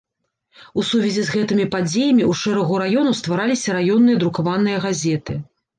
У сувязі з гэтымі падзеямі ў шэрагу раёнаў ствараліся раённыя друкаваныя газеты.